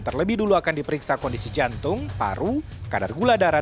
terlebih dulu akan diperiksa kondisi jantung paru kadar gula darah